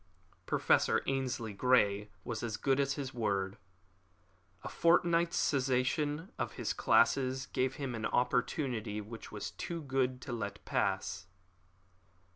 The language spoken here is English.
Professor Ainslie Grey was as good as his word. A fortnight's cessation of his classes gave him an opportunity which was too good to let pass.